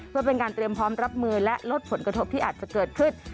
เพื่อเป็นการเตรียมพร้อมรับมือและลดผลกระทบที่อาจจะเกิดขึ้น